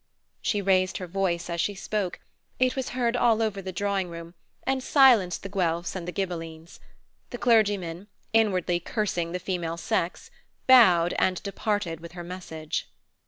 She raised her voice as she spoke; it was heard all over the drawing room, and silenced the Guelfs and the Ghibellines. The clergyman, inwardly cursing the female sex, bowed, and departed with her message.